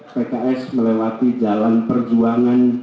pks melewati jalan perjuangan